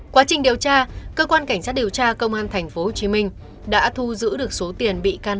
quá trình điều tra cơ quan cảnh sát điều tra công an tp hcm đã thu giữ được số tiền bị can